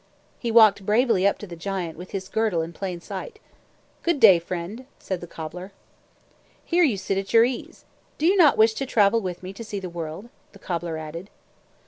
He walked bravely up to the giant, with his girdle in plain sight. "Good day, friend," said the cobbler. "Here you sit at your ease. Do you not wish to travel with me to see the world?" the cobbler added.